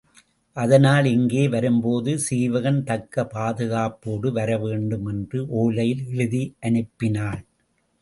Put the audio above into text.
அதனால் இங்கே வரும்போது சீவகன் தக்க பாதுகாப்போடு வரவேண்டும் என்று ஒலையில் எழுதி அனுப்பினாள்.